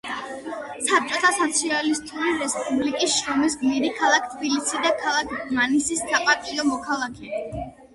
საბჭოთა სოციალისტური რესპუბლიკის შრომის გმირი, ქალაქ თბილისის და ქალაქ დმანისის საპატიო მოქალაქე.